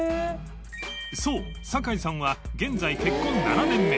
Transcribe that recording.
磴修坂井さんは現在結婚７年目祓